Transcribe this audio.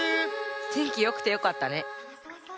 てんきよくてよかったね。